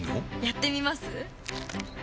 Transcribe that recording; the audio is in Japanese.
やってみます？